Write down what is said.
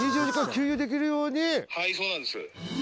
はいそうなんです。